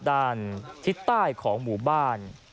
ด้านทิศใต้ของหมู่บ้าน